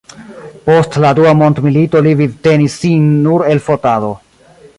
Post la dua mondmilito li vivtenis sin nur el fotado.